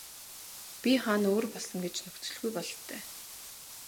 Бие хаа нь өөр болсон ч гэж нөхцөлгүй бололтой.